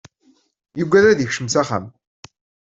Yuggad ad d-ikcem s axxam.